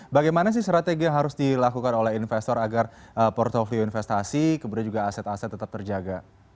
bagaimana sih strategi yang harus dilakukan oleh investor agar portfolio investasi kemudian juga aset aset tetap terjaga